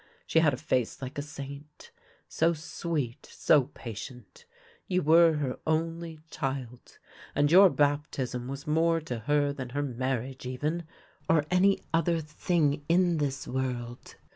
She had a face like a saint — so sweet, so patient. You were her only child, and your baptism was more to her than her marriage even, or any other thing in this world.